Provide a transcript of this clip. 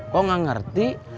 kok nggak ngerti